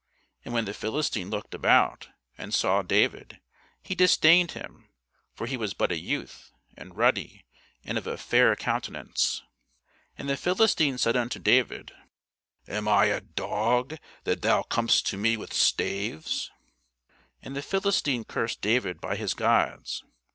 And when the Philistine looked about, and saw David, he disdained him: for he was but a youth, and ruddy, and of a fair countenance. And the Philistine said unto David, Am I a dog, that thou comest to me with staves? And the Philistine cursed David by his gods.